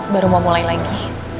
baru mau mulai lagi